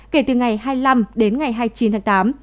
kể từ ngày hai mươi năm đến ngày hai mươi chín tháng tám